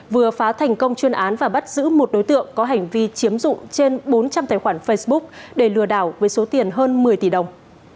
vừa phá thành công chuyên án và bắt giữ một đối tượng có hành vi chiếm dụng trên bốn trăm linh tài khoản facebook để lừa đảo với số tiền hơn một mươi tỷ đồng